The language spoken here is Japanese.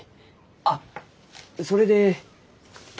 あっそれで。